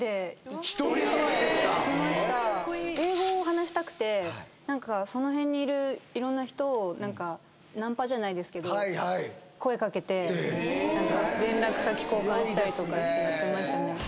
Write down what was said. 行きました英語を話したくて何かその辺にいる色んな人を何かナンパじゃないですけど声かけて連絡先交換したりとかってやってましたね